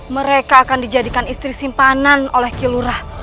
mereka akan dijadikan istri simpanan oleh kilurah